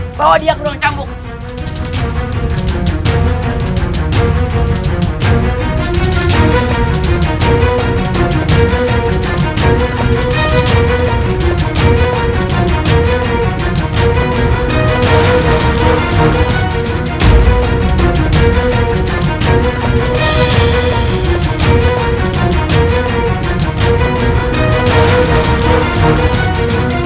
kepala prajurit tolong ajarkan prajuritmu bersikap santun